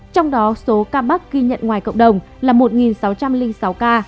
trong đó số ca mắc ghi nhận ngoài cộng đồng là một sáu trăm linh sáu ca